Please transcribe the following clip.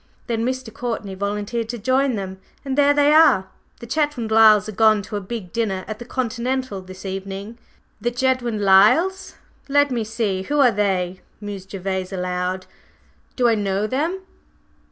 Then Mr. Courtney volunteered to join them, and there they are. The Chetwynd Lyles are gone to a big dinner at the Continental this evening." "The Chetwynd Lyles let me see. Who are they?" mused Gervase aloud. "Do I know them?"